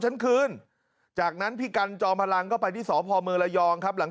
ฉันคืนจากนั้นพี่กันจอมพลังก็ไปที่สพเมืองระยองครับหลัง